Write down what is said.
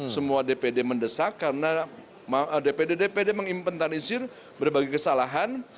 semua dpd mendesak karena dpd dpd mengimpentarisir berbagai kesalahan